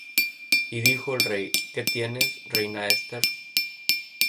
Y dijo el rey: ¿Qué tienes, reina Esther?